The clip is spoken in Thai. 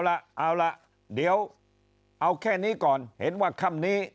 ฮ่าโอ้ละเดี๋ยวเอาแค่นี้ก่อนเห็นว่าคำนี้